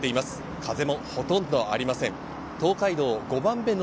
風もほとんどありません。